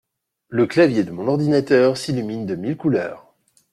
Le clavier de mon ordinateur s’illumine de mille couleurs.